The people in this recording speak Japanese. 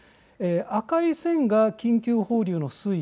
赤い線が緊急放流の水位